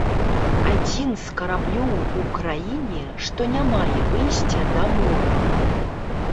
Адзін з караблёў у краіне, што не мае выйсця да мора.